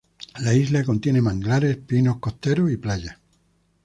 La isla contiene manglares, pinos costeros y playas.